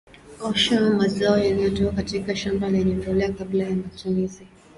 osha mazao yanayotoka katika shamba lenye mbolea kabla ya matumizi